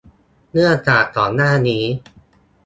เนื่องจากก่อนหน้านี้